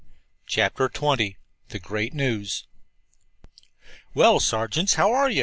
CHAPTER XX THE GREAT NEWS "Well, Sergeants, how are you?"